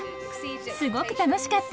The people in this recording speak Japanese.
すごく楽しかった。